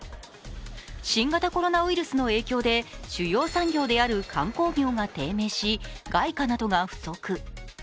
新型コロナウイルスの影響で主要産業である観光業が低迷し、外貨などが不足。